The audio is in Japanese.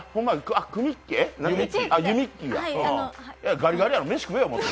ガリガリやな、飯食えよ、もっと。